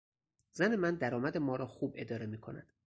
زن من درآمد ما را خوب اداره میکند.